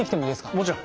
もちろん。